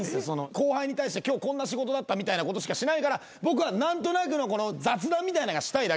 後輩に対して今日こんな仕事だったみたいなことしかしないから僕は何となくの雑談みたいのがしたいだけなんです。